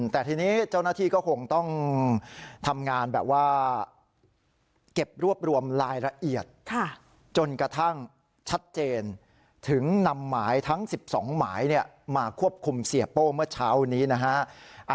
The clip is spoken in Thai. แต่ทีนี้เจ้าหน้าที่ก็คงต้องทำงานแบบว่าเก็บรวบรวมรายละเอียดจนกระทั่งชัดเจนถึงนำหมายทั้ง๑๒หมายมาควบคุมเสียโป้เมื่อเช้านี้นะฮะ